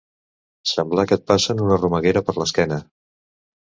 Semblar que et passen una romeguera per l'esquena.